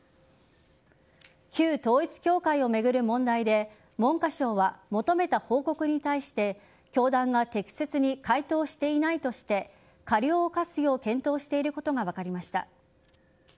旧統一教会を巡る問題で文科省は求めた報告に対して教団が適切に回答していないとして過料を科すよう検討していることが分かりました。